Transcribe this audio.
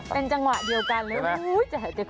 เป็นจังหวะเดียวกันเลยจะเห็นเป็นความใช่ไหม